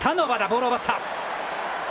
ボールを奪った。